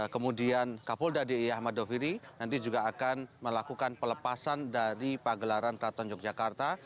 kemudian kapolda di ahmad doviri nanti juga akan melakukan pelepasan dari pagelaran keraton yogyakarta